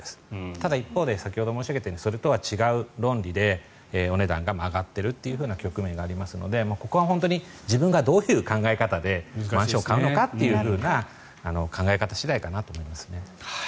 ただ、一方で先ほど申し上げたようにそれとは違う論理でお値段が上がっているという局面がありますのでここは本当に自分がどういう考え方でマンションを買うのかという考え方次第化と思います。